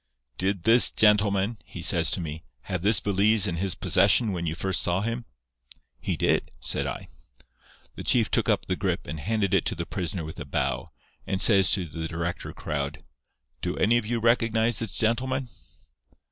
"'Did this gentleman,' he says to me, 'have this valise in his possession when you first saw him?' "'He did,' said I. "The chief took up the grip and handed it to the prisoner with a bow, and says to the director crowd: 'Do any of you recognize this gentleman?